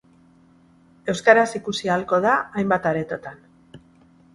Euskaraz ikusi ahalko da, hainbat aretotan.